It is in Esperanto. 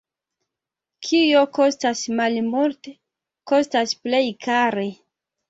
Kio kostas malmulte, kostas plej kare.